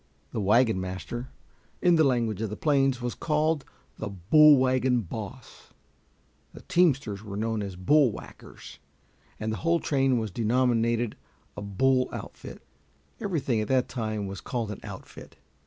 The wagon master, in the language of the plains, was called the "bull wagon boss"; the teamsters were known as "bull whackers"; and the whole train was denominated a "bull outfit." Everything at that time was called an "outfit."